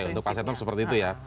oke untuk pak setnoff seperti itu ya